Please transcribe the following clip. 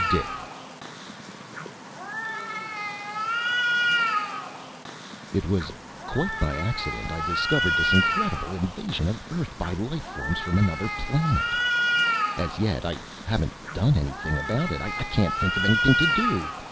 DICK It was quite by accident I discovered this incredible invasion of Earth by lifeforms from another planet. As yet, I haven't done anything about it; I can't think of anything to do.